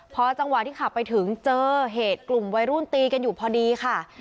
พอจังหวะที่ขับไปถึงเจอเหตุกลุ่มวัยรุ่นตีกันอยู่พอดีค่ะ